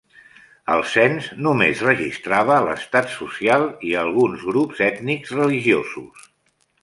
El cens només registrava l'estat social i alguns grups ètnics religiosos.